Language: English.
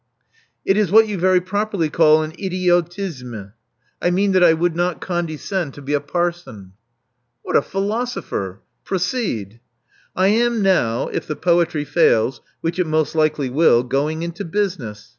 It is what you very properly call an idiotisme. I mean that I would not condescend to be a parson." What a philosopher ! Proceed. '' I am now — if the poetry fails, which it most likely will — going into business.